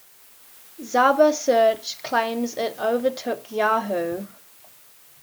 Zabasearch claims it overtook Yahoo!